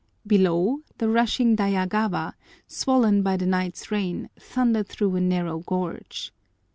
Below, the rushing Daiyagawa, swollen by the night's rain, thundered through a narrow gorge.